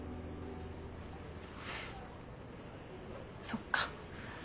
そっか。